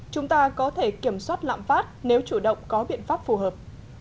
chúng ta có thể kiểm soát lạm phát nếu chủ động có biện pháp phù hợp